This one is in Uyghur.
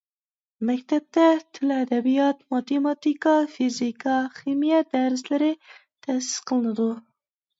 مەكتەپتە تىل-ئەدەبىيات، ماتېماتىكا، فىزىكا، خىمىيە دەرسلىرى تەسىس قىلىنىدۇ.